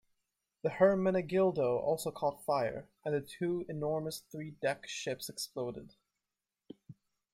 The "Hermenegildo" also caught fire and the two enormous three-deck ships exploded.